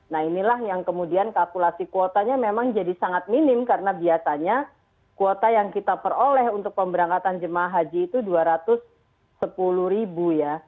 nah inilah yang kemudian kalkulasi kuotanya memang jadi sangat minim karena biasanya kuota yang kita peroleh untuk pemberangkatan jemaah haji itu dua ratus sepuluh ribu ya